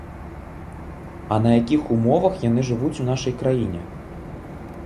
А на якіх умовах яны жывуць у нашай краіне?